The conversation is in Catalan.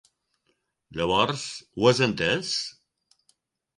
Llavors, ho has entès?